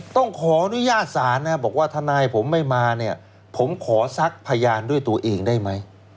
ต้องขออนุญาตศาลนะบอกว่าทนายผมไม่มาเนี่ยผมขอซักพยานด้วยตัวเองได้ไหม